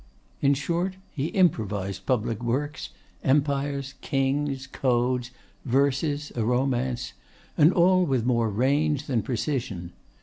In short, he improvised public works, empires, kings, codes, verses, a romance—and all with more range than precision.